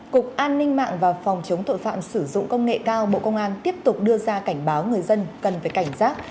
cục an ninh mạng và phòng chống tội phạm sử dụng công nghệ cao bộ công an tiếp tục đưa ra cảnh báo người dân cần phải cảnh giác